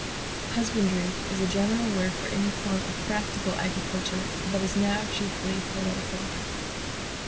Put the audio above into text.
Husbandry is a general word for any form of practical agriculture, but is now chiefly poetical.